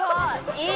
いい！